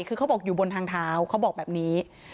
คือเขาบอกอยู่บนทางเท้าเขาบอกแบบนี้